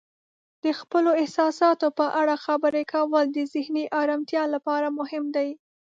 د خپلو احساساتو په اړه خبرې کول د ذهني آرامتیا لپاره مهم دی.